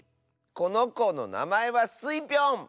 このこのなまえはスイぴょん！